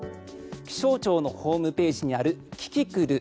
気象庁のホームページにあるキキクル。